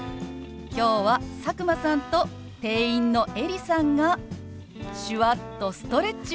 今日は佐久間さんと店員のエリさんが手話っとストレッチ！